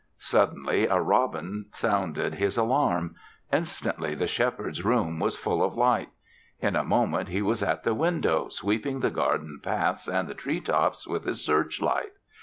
Suddenly a robin sounded his alarm. Instantly, the Shepherd's room was full of light. In a moment, he was at the window sweeping the garden paths and the tree tops with his search light.